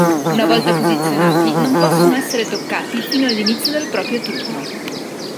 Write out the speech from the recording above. Una volta posizionati, non possono essere toccati fino all'inizio del proprio turno.